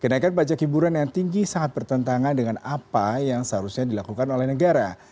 kenaikan pajak hiburan yang tinggi sangat bertentangan dengan apa yang seharusnya dilakukan oleh negara